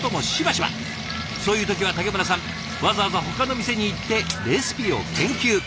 そういう時は竹村さんわざわざほかの店に行ってレシピを研究。